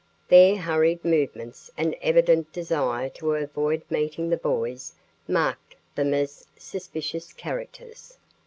Their hurried movements and evident desire to avoid meeting the boys marked them as suspicious characters.